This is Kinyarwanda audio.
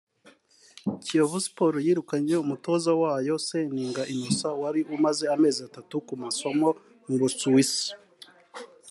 Kiyovu Sports yirukanye umutoza wayo Seninga Innocent wari umaze amezi atatu ku masomo mu Busuwisi